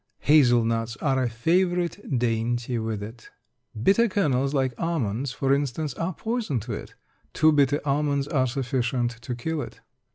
Hazel nuts are a favorite dainty with it. Bitter kernels, like almonds, for instance, are poison to it; two bitter almonds are sufficient to kill it.